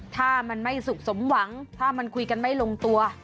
ถ้ามันไม่สุขสมหวังถ้ามันคุยกันไม่ลงตัว